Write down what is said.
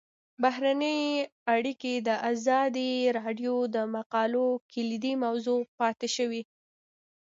بهرنۍ اړیکې د ازادي راډیو د مقالو کلیدي موضوع پاتې شوی.